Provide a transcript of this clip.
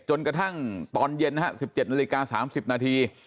จนกระทั่งตอนเย็นนะฮะสิบเจ็ดนาฬิกาสามสิบนาที